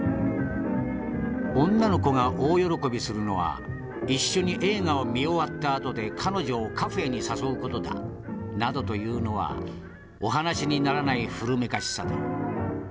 「女の子が大喜びするのは一緒に映画を見終わったあとで彼女をカフェに誘う事だ」などと言うのはお話にならない古めかしさだ。